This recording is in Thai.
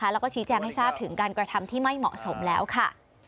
แล้วก็ชี้แจงให้ทราบถึงการกระทำที่ไม่เหมาะสมแล้วค่ะ